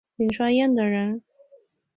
颍川鄢陵人。